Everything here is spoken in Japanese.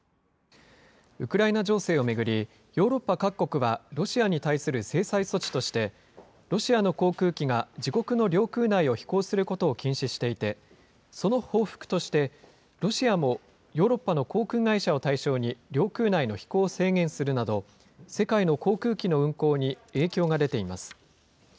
ウクライナ情勢を巡り、ヨーロッパ各国はロシアに対する制裁措置として、ロシアの航空機が自国の領空内を飛行することを禁止していて、その報復として、ロシアもヨーロッパの航空会社を対象に、領空内の飛行を制限するなど、世界の航空機の運航に影響が出ています。